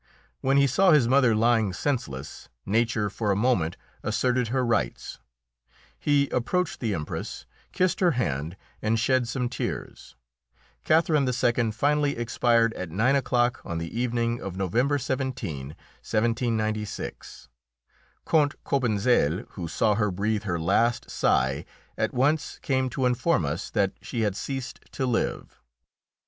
When he saw his mother lying senseless, nature for a moment asserted her rights; he approached the Empress, kissed her hand, and shed some tears. Catherine II. finally expired at nine o'clock on the evening of November 17, 1796. Count Cobentzel, who saw her breathe her last sigh, at once came to inform us that she had ceased to live.